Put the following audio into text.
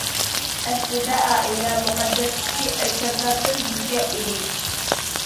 ئەسلىدە ئائىلە مۇقەددەسلىكى ئەجدادلاردىن بىزگە ئۇدۇم.